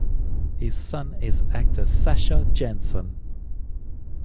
His son is actor Sasha Jenson.